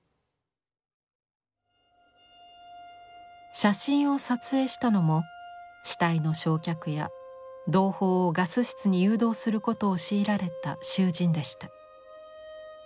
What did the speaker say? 写真を撮影したのも死体の焼却や同胞をガス室に誘導することを強いられた囚人でした。